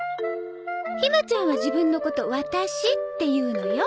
ひまちゃんは自分のこと「ワタシ」って言うのよ。